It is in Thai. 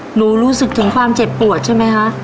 รู้สึกถึงความเจ็บปวดใช่ไหมคะ